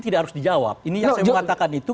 tidak harus dijawab ini yang saya mau katakan itu